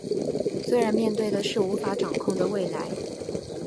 虽然面对的是无法掌握的未来